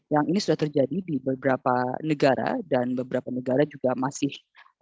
yang ini sudah terjadi di beberapa negara dan beberapa negara juga masih